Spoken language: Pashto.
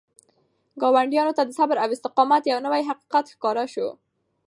ګاونډیانو ته د صبر او استقامت یو نوی حقیقت ښکاره شو.